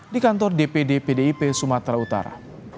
di kantor dpd pdip sumatera utara